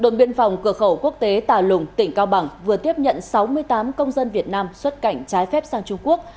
đồn biên phòng cửa khẩu quốc tế tà lùng tỉnh cao bằng vừa tiếp nhận sáu mươi tám công dân việt nam xuất cảnh trái phép sang trung quốc